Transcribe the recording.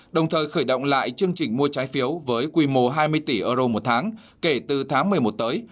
đồng thời khởi động lại chương trình mua trái phiếu với quy mô hai mươi tỷ euro một tháng kể từ tháng một mươi một tới